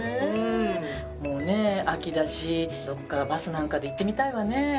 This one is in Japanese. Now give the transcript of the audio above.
もうね秋だしどこかバスなんかで行ってみたいわね。